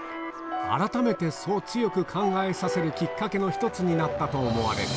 改めて、そう強く考えさせるきっかけの一つになったと思われる。